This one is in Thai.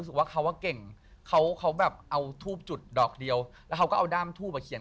ผู้ชายยกเท้าถีบแล้วกระเด็นออกมาเลย